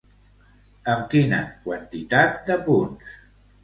Amb quina quantitat de punts?